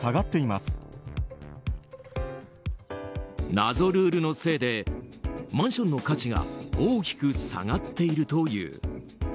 謎ルールのせいでマンションの価値が大きく下がっているという。